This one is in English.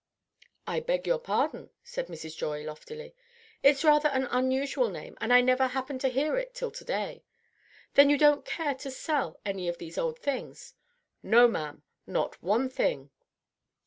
"I beg your pardon," said Mrs. Joy, loftily. "It's rather an unusual name, and I never happened to hear it till to day. Then you don't care to sell any of these old things?" "No, ma'am, not one thing."